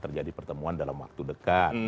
terjadi pertemuan dalam waktu dekat